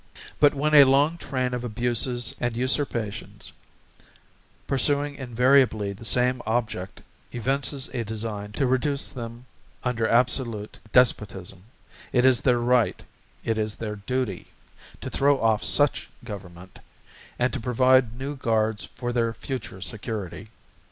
But when a long train of abuses and usurpations, pursuing invariably the same Object evinces a design to reduce them under absolute Despotism, it is their right, it is their duty, to throw off such Government, and to provide new Guards for their future security.